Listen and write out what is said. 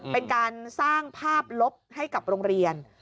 เป็นการสร้างภาพลบให้กับโรงเรียน